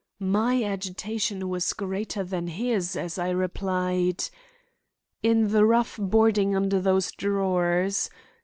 My agitation was greater than his as I replied: "In the rough boarding under those drawers.